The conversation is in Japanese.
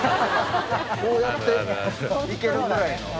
こうやっていけるぐらいの。